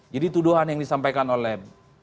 jadi tuduhan yang disampaikan oleh